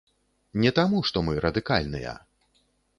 Не таму што мы радыкальныя.